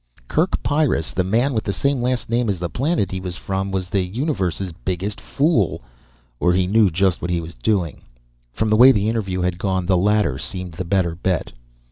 Kerk Pyrrus, the man with the same last name as the planet he came from, was the universe's biggest fool. Or he knew just what he was doing. From the way the interview had gone the latter seemed the better bet.